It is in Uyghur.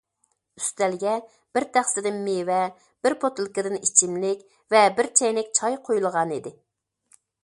ئۈستەلگە بىر تەخسىدىن مېۋە، بىر بوتۇلكىدىن ئىچىملىك ۋە بىر چەينەك چاي قويۇلغانىدى.